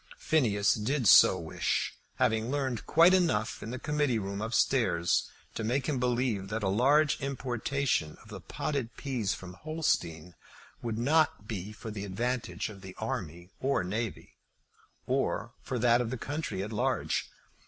Phineas did so wish, having learned quite enough in the Committee Room up stairs to make him believe that a large importation of the potted peas from Holstein would not be for the advantage of the army or navy, or for that of the country at large.